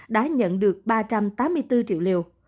đã nhận được ba trăm tám mươi bốn triệu liều